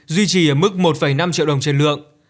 duy trì ở mức một năm triệu đồng trên lượng